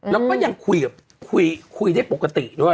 แล้วก็ยังคุยกับคุยได้ปกติด้วย